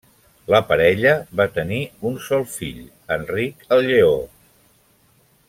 La parella va tenir un sol fill, Enric el Lleó.